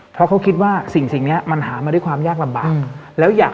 เพราะเขาคิดว่าสิ่งนี้มันหามาด้วยความยากลำบากแล้วอยาก